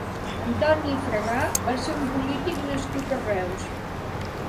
Antoni Fragà va ser un polític nascut a Reus.